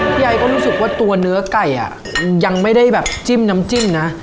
ไอก็รู้สึกว่าตัวเนื้อไก่ยังไม่ได้แบบจิ้มน้ำจิ้มนะ